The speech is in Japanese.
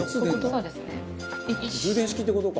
そうですね。